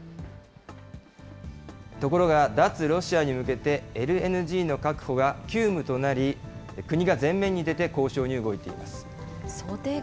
ところが、脱ロシアに向けてＬＮＧの確保が急務となり、国が前面に出て交渉に動いています。